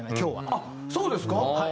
あっそうですか。